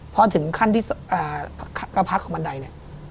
พอถึงขั้นที่กระพักของบันไดเนี่ย